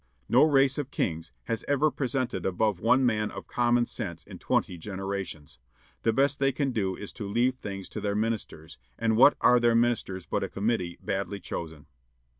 No race of kings has ever presented above one man of common sense in twenty generations. The best they can do is to leave things to their ministers; and what are their ministers but a committee badly chosen?"